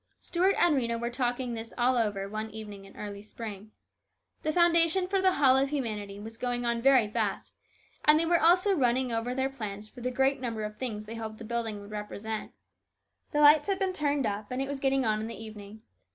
Stuart and Rhena were talking this all over one evening in early spring. The foundation for The Hall of Humanity was going on very fast, and they were also running over their plans for the great number of things they hoped the building would represent. The lights had been turned up and it was getting on in the evening.